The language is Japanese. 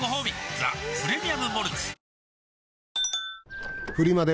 「ザ・プレミアム・モルツ」